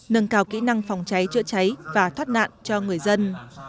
học kỹ năng phòng cháy chữa cháy và thoát nạn cho người dân